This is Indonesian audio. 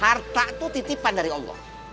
harta itu titipan dari allah